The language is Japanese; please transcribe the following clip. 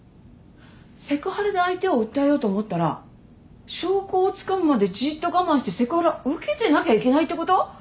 セクハラで相手を訴えようと思ったら証拠をつかむまでじっと我慢してセクハラ受けてなきゃいけないってこと？